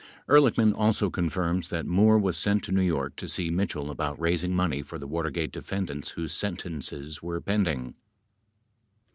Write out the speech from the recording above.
12 Ehrlichman also confirms that Moore was sent to New York to see Mitchell about raising money for the Watergate defendants whose sentences were pending.